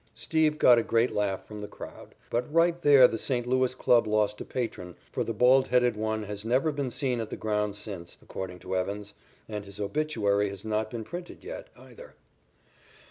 '" "Steve" got a great laugh from the crowd, but right there the St. Louis club lost a patron, for the bald headed one has never been seen at the grounds since, according to Evans, and his obituary has not been printed yet, either.